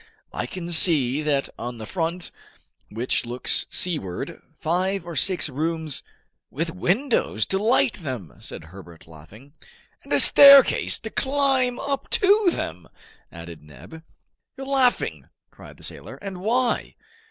I can see that on the front which looks seaward, five or six rooms " "With windows to light them!" said Herbert, laughing. "And a staircase to climb up to them!" added Neb. "You are laughing," cried the sailor, "and why?